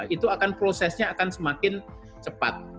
itu akan prosesnya akan semakin cepat